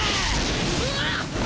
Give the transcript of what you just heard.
うわっ！